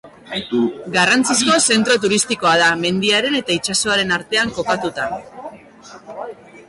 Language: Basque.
Garrantzizko zentro turistikoa da, mendiaren eta itsasoaren artean kokatuta.